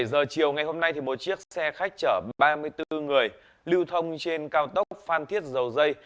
một mươi giờ chiều ngày hôm nay một chiếc xe khách chở ba mươi bốn người lưu thông trên cao tốc phan thiết dầu dây